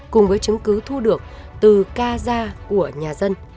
cùng với chứng cứ thu được từ ca gia của nhà dân